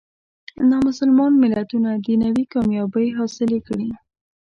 نامسلمان ملتونه دنیوي کامیابۍ حاصلې کړي.